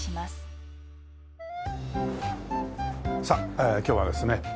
さあ今日はですね